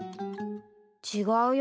違うよ